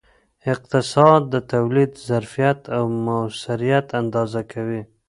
اقتصاد د تولید ظرفیت او موثریت اندازه کوي.